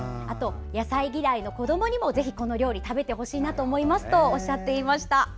野菜嫌いの子どもにもぜひこの料理を食べてほしいとおっしゃっていました。